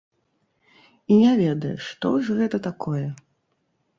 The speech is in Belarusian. І не ведае, што ж гэта такое?